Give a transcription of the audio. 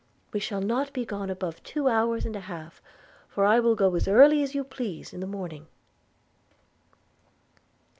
We shall not be gone above two hours and a half, for I will go as early as you please in the morning.'